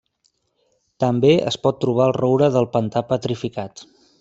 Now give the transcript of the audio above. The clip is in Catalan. També es pot trobar el roure del pantà petrificat.